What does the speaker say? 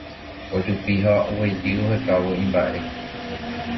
ojupi ha guejy ohekávo imba'e